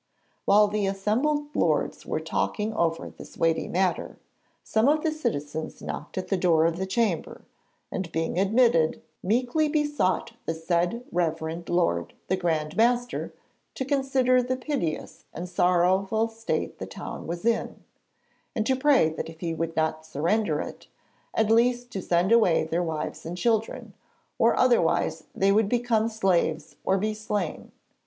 While the assembled lords were talking over this weighty matter, some of the citizens knocked at the door of the chamber and, being admitted, 'meekly besought the said reverend lord the Grand Master to consider the piteous and sorrowful state the town was in', and to pray that if he would not surrender it, at least to send away their wives and children, or otherwise they would become slaves or be slain.